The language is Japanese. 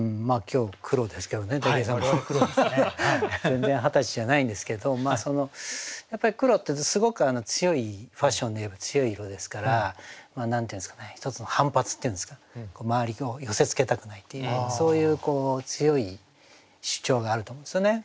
全然二十歳じゃないんですけどやっぱり黒ってすごくファッションでいえば強い色ですから１つの反発っていうんですか周りを寄せつけたくないっていうそういう強い主張があると思うんですよね。